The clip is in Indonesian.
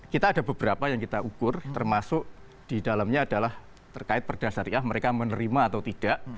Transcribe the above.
kita ada beberapa yang kita ukur termasuk di dalamnya adalah terkait perda syariah mereka menerima atau tidak